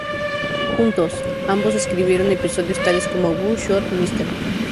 Juntos, ambos escribieron episodios tales como "Who Shot Mr.